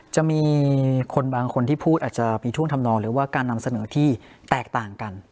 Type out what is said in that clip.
จะมีคนบางคนที่พูดอาจจะมีท่วงทำนองหรือว่าการนำเสนอที่แตกต่างกัน